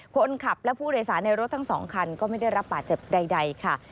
คนขับและผู้โดยสารในรถทั้ง๒คันก็ไม่ได้รับบาดเจ็บใดค่ะ